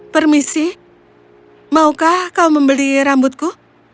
permisi maukah kau membeli rambutku